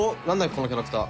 このキャラクター。